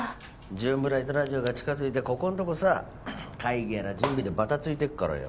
『ジューンブライドラジオ』が近づいてここんとこさ会議やら準備でバタついてっからよ。